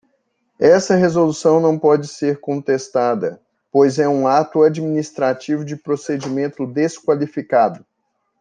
Esta resolução não pode ser contestada, pois é um ato administrativo de procedimento desqualificado.